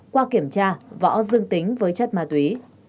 qua kiểm tra võ dương tính với chất ma túy